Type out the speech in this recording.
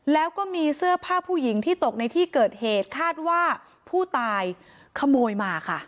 แล้วก็มีเสื้อผ้าผู้หญิงที่ตกในที่เกิดเหตุคาดว่าผู้ตายขโมยมาค่ะ